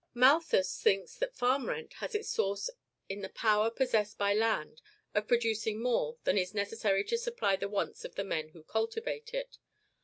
Malthus thinks that farm rent has its source in the power possessed by land of producing more than is necessary to supply the wants of the men who cultivate it.